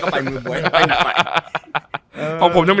เดี๊ยว